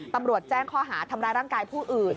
ตำรวจแจ้งข้อหาทำร้ายร่างกายผู้อื่น